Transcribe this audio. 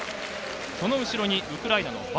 その後ろにウクライナ。